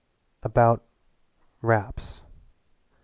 "About raps.